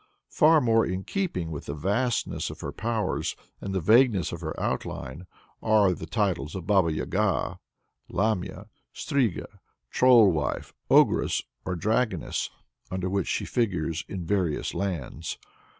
Far more in keeping with the vastness of her powers, and the vagueness of her outline, are the titles of Baba Yaga, Lamia, Striga, Troll Wife, Ogress, or Dragoness, under which she figures in various lands.